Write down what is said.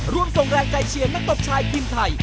ร่วมส่งแรงใจเชียร์นักตบชายทีมไทย